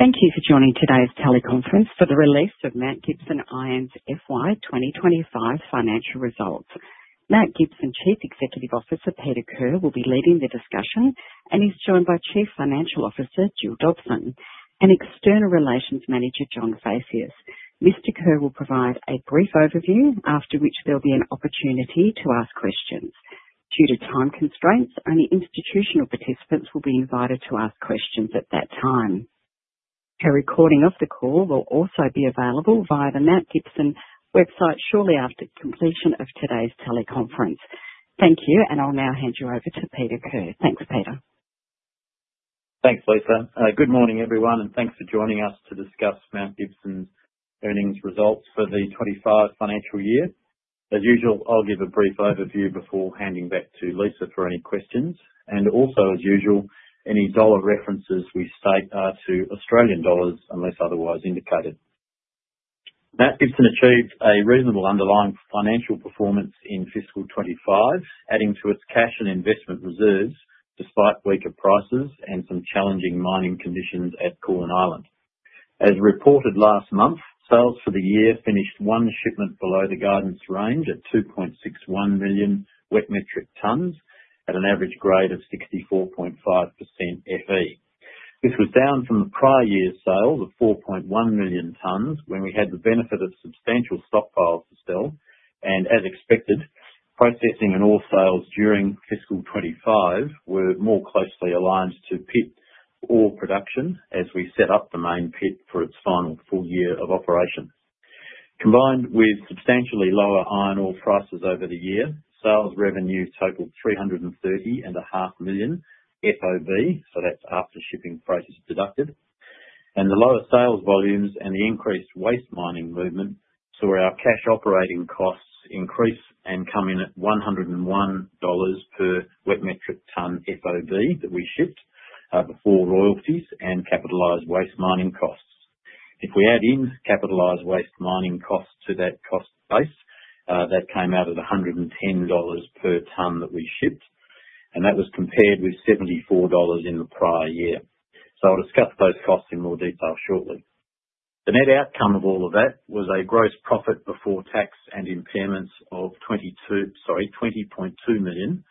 Thank you for joining today's Teleconference for the Release of Mount Gibson Iron's FY 2025 Financial Results. Mount Gibson Chief Executive Officer Peter Kerr will be leading the discussion, and he's joined by Chief Financial Officer Jill Dobson and External Relations Manager John Phaceas. Mr. Kerr will provide a brief overview, after which there'll be an opportunity to ask questions. Due to time constraints, only institutional participants will be invited to ask questions at that time. A recording of the call will also be available via the Mount Gibson website shortly after the completion of today's teleconference. Thank you, and I'll now hand you over to Peter Kerr. Thanks, Peter. Thanks, Lisa. Good morning, everyone, and thanks for joining us to discuss Mount Gibson Iron's earnings results for the 2025 financial year. As usual, I'll give a brief overview before handing back to Lisa for any questions. Also, as usual, any dollar references we state are to Australian dollars unless otherwise indicated. Mount Gibson Iron achieved a reasonable underlying financial performance in fiscal 2025, adding to its cash and investment reserves despite weaker prices and some challenging mining conditions at Koolan Island. As reported last month, sales for the year finished one shipment below the guidance range at 2.61 million wet tonnes at an average grade of 64.5% Fe. This was down from the prior year's sales of 4.1 million t when we had the benefit of substantial stockpiles to sell. As expected, processing and ore sales during fiscal 2025 were more closely aligned to pit ore production as we set up the main pit for its final full year of operation. Combined with substantially lower iron ore prices over the year, sales revenue totaled A$330.5 million FOB, so that's after shipping prices deducted, and the lower sales volumes and the increased waste mining movement saw our cash operating costs increase and come in at A$101/WMT FOB that we shipped before royalties and capitalized waste mining costs. If we add in capitalized waste mining costs to that cost base, that came out at A$110/t that we shipped, and that was compared with A$74 in the prior year. I'll discuss those costs in more detail shortly. The net outcome of all of that was a gross profit before tax and impairments of A$20.2 million,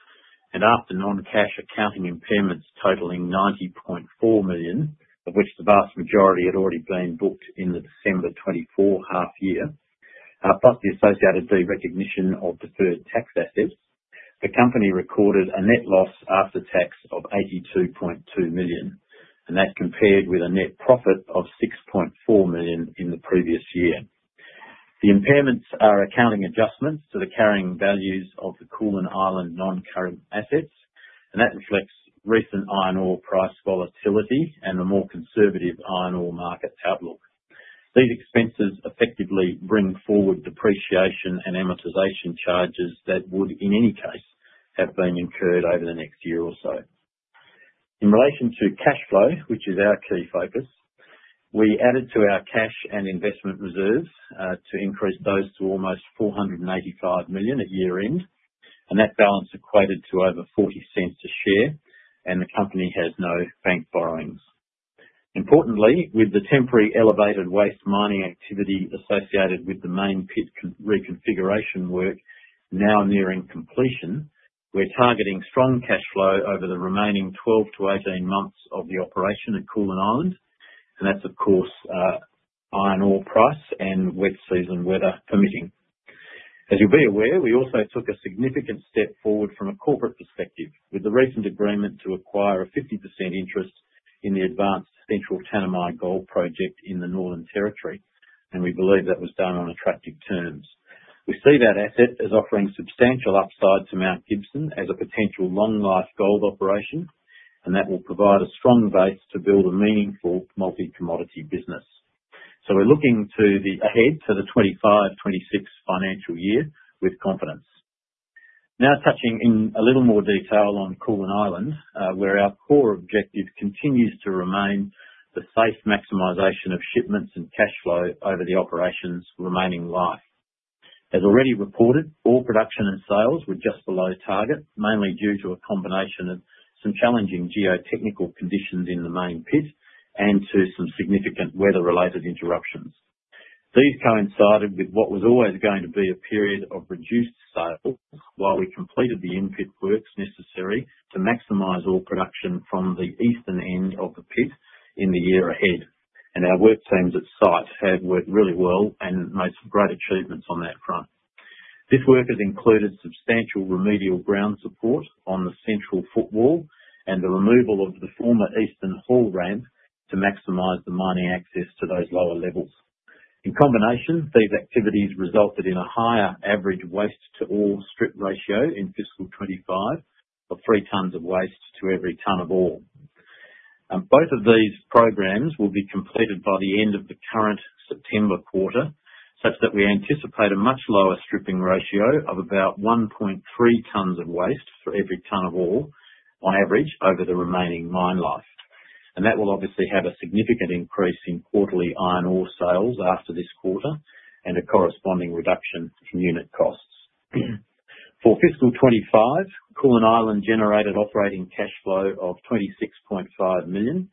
and after non-cash accounting impairments totaling A$90.4 million, of which the vast majority had already been booked in the December 2024 half year, plus the associated derecognition of deferred tax assets, the company recorded a net loss after tax of A$82.2 million, and that's compared with a net profit of A$6.4 million in the previous year. The impairments are accounting adjustments to the carrying values of the Koolan Island non-current assets, and that reflects recent iron ore price volatility and the more conservative iron ore market outlook. These expenses effectively bring forward depreciation and amortization charges that would in any case have been incurred over the next year or so. In relation to cash flow, which is our key focus, we added to our cash and investment reserves to increase those to almost A$485 million at year end, and that balance equated to over A$0.40 a share, and the company has no bank borrowings. Importantly, with the temporary elevated waste mining activity associated with the main pit reconfiguration work now nearing completion, we're targeting strong cash flow over the remaining 12 months-18 months of the operation at Koolan Island, and that's, of course, iron ore price and wet season weather permitting. As you'll be aware, we also took a significant step forward from a corporate perspective with the recent agreement to acquire a 50% interest in the advanced Central Tanami Gold Project in the Northern Territory, and we believe that was done on attractive terms. We see that asset as offering substantial upside to Mount Gibson as a potential long-life gold operation, and that will provide a strong base to build a meaningful multi-commodity business. We are looking ahead to the 2025-2026 financial year with confidence. Now touching in a little more detail on Koolan Island, where our core objective continues to remain the safe maximization of shipments and cash flow over the operation's remaining life. As already reported, ore production and sales were just below target, mainly due to a combination of some challenging geotechnical conditions in the main pit and to some significant weather-related interruptions. These coincided with what was always going to be a period of reduced sales while we completed the in-pit works necessary to maximize ore production from the eastern end of the pit in the year ahead, and our work teams at site have worked really well and made some great achievements on that front. This work has included substantial remedial ground support on the central footwall and the removal of the former eastern haul ramp to maximize the mining access to those lower levels. In combination, these activities resulted in a higher average waste-to-ore strip ratio in fiscal 2025 of 3:1 (waste:ore t/t). Both of these programs will be completed by the end of the current September quarter, such that we anticipate a much lower stripping ratio of about 1.3 tonnes of waste for every tonne of ore on average over the remaining mine life. That will obviously have a significant increase in quarterly iron ore sales after this quarter and a corresponding reduction in unit costs. For fiscal 2025, Koolan Island generated operating cash flow of A$26.5 million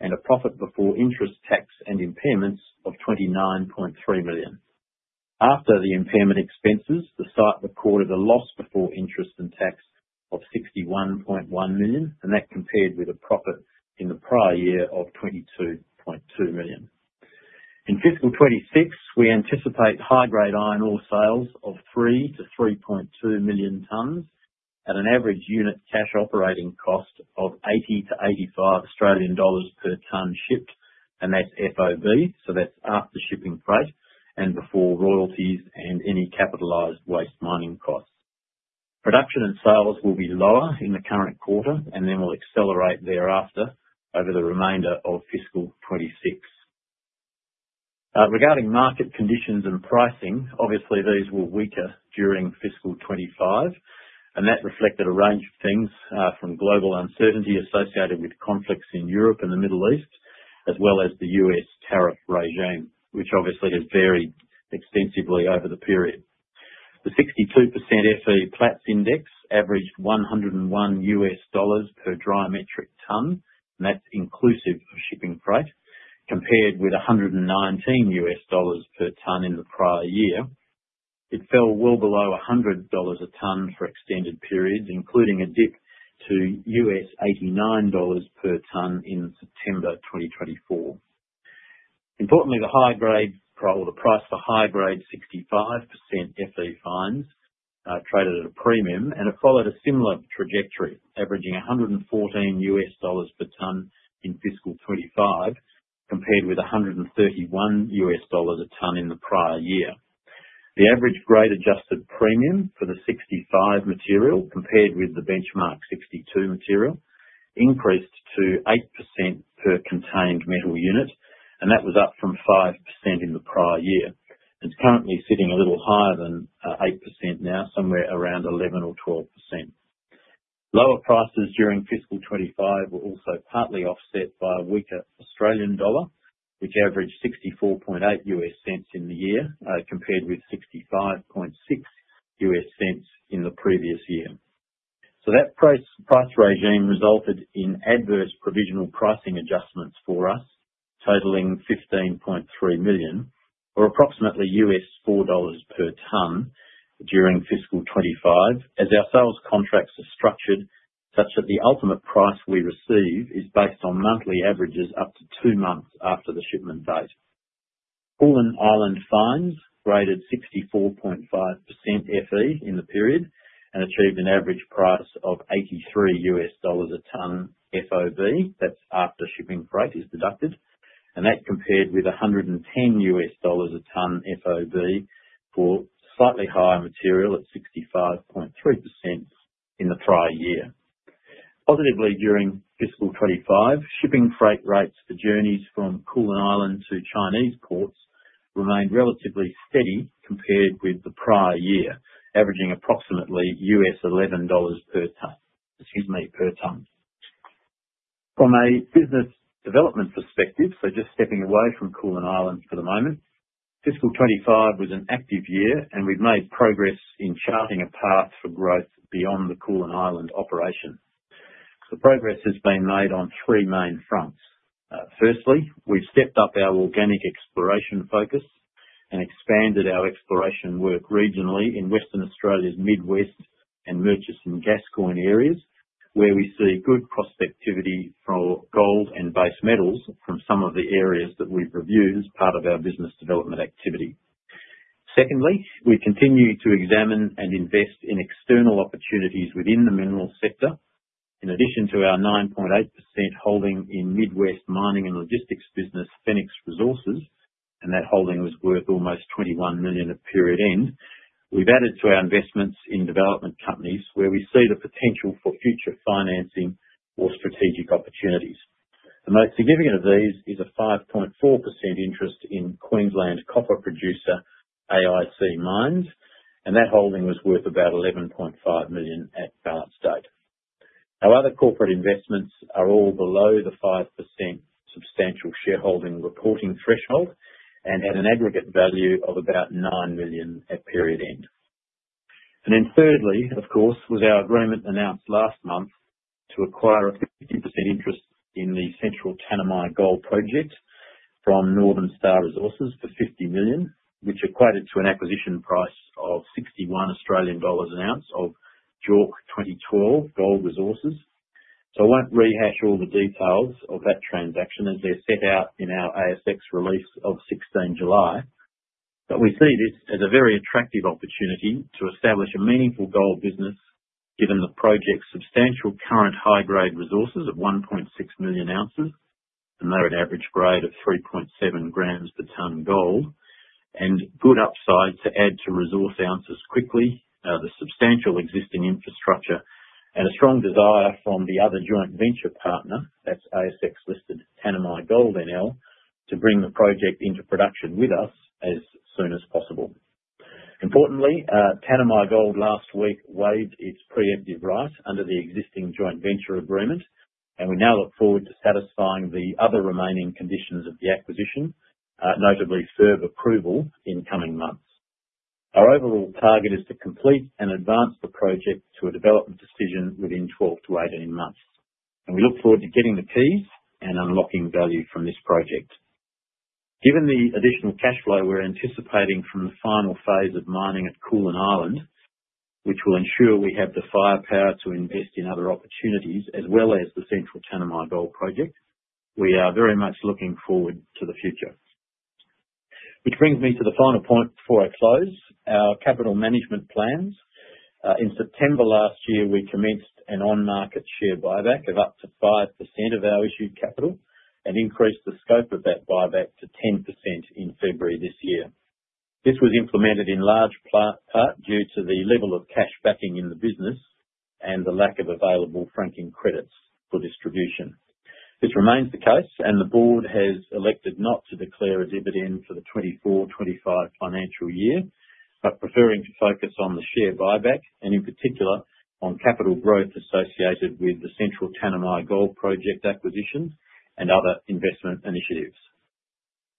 and a profit before interest, tax, and impairments of A$29.3 million. After the impairment expenses, the site recorded a loss before interest and tax of A$61.1 million, and that compared with a profit in the prior year of A$22.2 million. In fiscal 2026, we anticipate high-grade iron ore sales of 3 million t-3.2 million t at an average unit cash operating cost of A$80–A$85/t shipped, and that's FOB, so that's after shipping price and before royalties and any capitalized waste mining costs. Production and sales will be lower in the current quarter and then will accelerate thereafter over the remainder of fiscal 2026. Regarding market conditions and pricing, obviously, these were weaker during fiscal 2025, and that reflected a range of things from global uncertainty associated with conflicts in Europe and the Middle East, as well as the U.S. tariff regime, which obviously has varied extensively over the period. The 62% Fe Platts Index averaged US$101/dmt, and that's inclusive of shipping price, compared with US$119/dmt in the prior year. It fell well below US$100/t for extended periods, including a dip to US$89/t in September 2024. Importantly, the high-grade, or the price for high-grade 65% Fe fines traded at a premium and have followed a similar trajectory, averaging US$114/t in fiscal 2025 compared with US$131/t in the prior year. The average grade adjusted premium for the 65 material compared with the benchmark 62 material increased to 8% per contained metal unit, and that was up from 5% in the prior year. It's currently sitting a little higher than 8% now, somewhere around 11% or 12%. Lower prices during fiscal 2025 were also partly offset by a weaker Australian dollar, which averaged US$0.648 in the year compared with US$0.656 in the previous year. That price regime resulted in adverse provisional pricing adjustments for us, totaling A$15.3 million, or approximately US$4/t during fiscal 2025, as our sales contracts are structured such that the ultimate price we receive is based on monthly averages up to two months after the shipment date. Koolan Island fines graded 64.5% Fe in the period and achieved an average price of US$83/t FOB, that's after shipping price is deducted, and that compared with US$110/t FOB for slightly higher material at 65.3% in the prior year. Positively, during fiscal 2025, shipping freight rates for journeys from Koolan Island to Chinese ports remained relatively steady compared with the prior year, averaging approximately US$11/t. From a business development perspective, just stepping away from Koolan Island for the moment, fiscal 2025 was an active year, and we've made progress in charting a path for growth beyond the Koolan Island operation. The progress has been made on three main fronts. Firstly, we've stepped up our organic exploration focus and expanded our exploration work regionally in Western Australia's Midwest and Murchison-Gascoyne areas, where we see good prospectivity for gold and base metals from some of the areas that we've reviewed as part of our business development activity. Secondly, we continue to examine and invest in external opportunities within the mineral sector. In addition to our 9.8% holding in Midwest mining and logistics business, Phoenix Resources, and that holding was worth almost A$21 million at period end, we've added to our investments in development companies where we see the potential for future financing or strategic opportunities. The most significant of these is a 5.4% interest in Queensland copper producer, AIC Mines, and that holding was worth about A$11.5 million at balance date. Our other corporate investments are all below the 5% substantial shareholding reporting threshold and at an aggregate value of about A$9 million at period end. Thirdly, of course, was our agreement announced last month to acquire a 50% interest in the Central Tanami Gold Project from Northern Star Resources for A$50 million, which equated to an acquisition price of A$61/oz of JORC 2012 Gold Resources. I won't rehash all the details of that transaction as they're set out in our ASX release of 16 July, but we see this as a very attractive opportunity to establish a meaningful gold business given the project's substantial current high-grade resources of 1.6Million oz, a merit average grade of 3.7g/t gold, and good upside to add to resource ounces quickly, the substantial existing infrastructure, and a strong desire from the other joint venture partner, that's ASX-listed Tanami Gold NL, to bring the project into production with us as soon as possible. Importantly, Tanami Gold last week waived its pre-emptive right under the existing joint venture agreement, and we now look forward to satisfying the other remaining conditions of the acquisition, notably further approval in coming months. Our overall target is to complete and advance the project to a development decision within 12 months-18 months, and we look forward to getting the keys and unlocking value from this project. Given the additional cash flow we're anticipating from the final phase of mining at Koolan Island, which will ensure we have the firepower to invest in other opportunities as well as the Central Tanami Gold Project, we are very much looking forward to the future. This brings me to the final point before I close, our capital management plans. In September last year, we commenced an on-market share buyback of up to 5% of our issued capital and increased the scope of that buyback to 10% in February this year. This was implemented in large part due to the level of cash backing in the business and the lack of available franking credits for distribution. This remains the case, and the board has elected not to declare a dividend for the 2024-2025 financial year, preferring to focus on the share buyback and in particular on capital growth associated with the Central Tanami Gold Project acquisitions and other investment initiatives.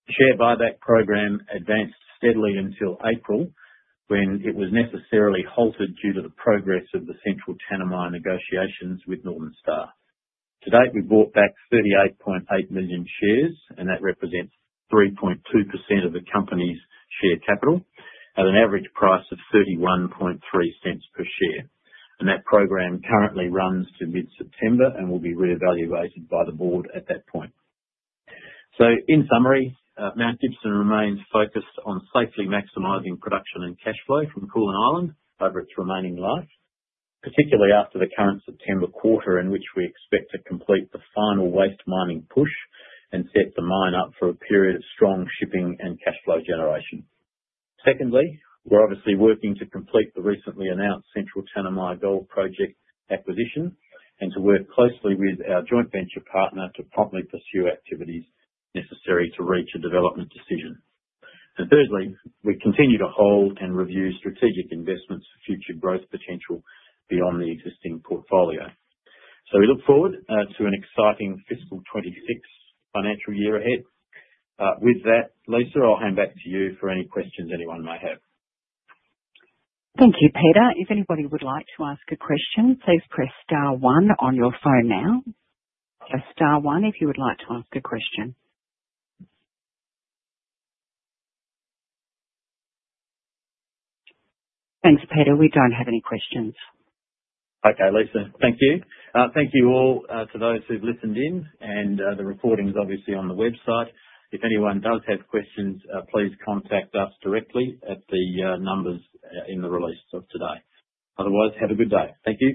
The share buyback program advanced steadily until April when it was necessarily halted due to the progress of the Central Tanami negotiations with Northern Star Resources. To date, we've bought back 38.8 million shares, and that represents 3.2% of the company's share capital at an average price of $0.313 per share. That program currently runs to mid-September and will be reevaluated by the board at that point. In summary, Mount Gibson remains focused on safely maximizing production and cash flow from Koolan Island over its remaining life, particularly after the current September quarter in which we expect to complete the final waste mining push and set the mine up for a period of strong shipping and cash flow generation. Secondly, we're obviously working to complete the recently announced Central Tanami Gold Project acquisition and to work closely with our joint venture partner to promptly pursue activities necessary to reach a development decision. Thirdly, we continue to hold and review strategic investments for future growth potential beyond the existing portfolio. We look forward to an exciting fiscal 2026 financial year ahead. With that, Lisa, I'll hand back to you for any questions anyone may have. Thank you, Peter. If anybody would like to ask a question, please press star one on your phone now. Press star one if you would like to ask a question. Thanks, Peter. We don't have any questions. Okay, Lisa, thank you. Thank you all to those who've listened in, and the recording is obviously on the website. If anyone does have questions, please contact us directly at the numbers in the release of today. Otherwise, have a good day. Thank you.